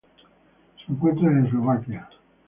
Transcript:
Se encuentra en Eslovaquia.